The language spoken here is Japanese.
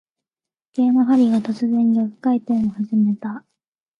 時計の針が、突然逆回転を始めた。